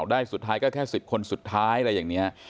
ได้สุดท้ายก็แค่๑๐คนสุดท้ายอะไรอย่างนี้